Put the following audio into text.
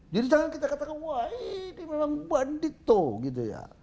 jadi jangan kita katakan wah ini memang bandit